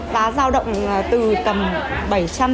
giá giao động từ tầm